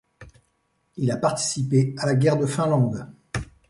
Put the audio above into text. Il a participé à la guerre de Finlande.